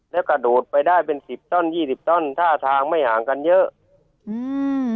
แล้วกระโดดไปได้เป็นสิบต้นยี่สิบต้นท่าทางไม่ห่างกันเยอะอืม